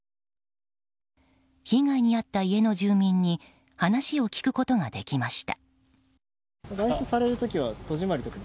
被害に遭った家の住民に話を聞くことができました。